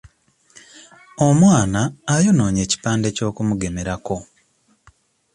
Omwana ayonoonye ekipande ky'okumugemerako.